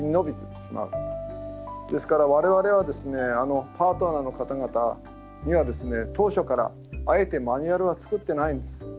ですから我々はですねパートナーの方々にはですね当初からあえてマニュアルは作ってないんです。